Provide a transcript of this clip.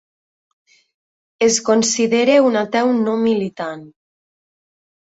Es considera un "ateu no militant".